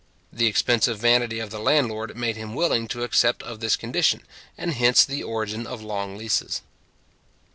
The expensive vanity of the landlord made him willing to accept of this condition; and hence the origin of long leases.